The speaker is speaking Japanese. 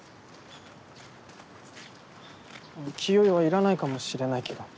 清居はいらないかもしれないけど。